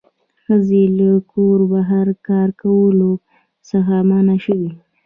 ښځې له کوره بهر کار کولو څخه منع شوې